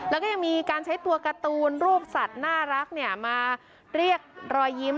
แล้วก็ยังมีการใช้ตัวการ์ตูนรูปสัตว์น่ารักมาเรียกรอยยิ้ม